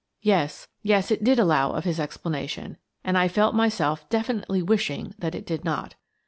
Yes, yes, it did allow of his explanation, arid I felt myself definitely wishing that it did not.